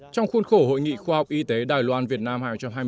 trong khuôn khổ hội nghị khoa học y tế đài loan việt nam hai nghìn hai mươi